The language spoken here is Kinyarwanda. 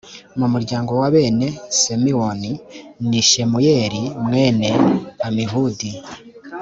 mu muryango wa bene simewoni, ni shemuyeli mwene amihudi.